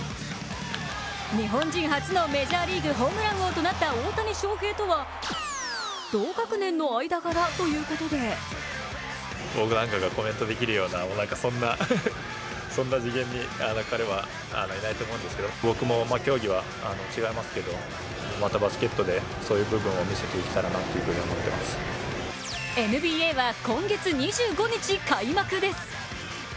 日本人初のメジャーリーグ・ホームラン王となった大谷翔平とは同学年の間柄ということでＮＢＡは今月２５日開幕です。